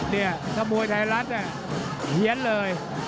เนี่ยถ้ามวยไทยรัสเนี่ยเหี้ยนเลย